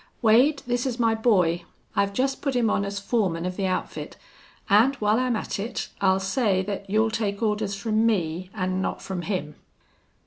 Wade, this's my boy. I've jest put him on as foreman of the outfit, an' while I'm at it I'll say thet you'll take orders from me an' not from him."